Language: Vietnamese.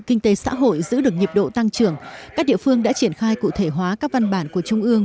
kinh tế xã hội giữ được nhiệm độ tăng trưởng các địa phương đã triển khai cụ thể hóa các văn bản của trung ương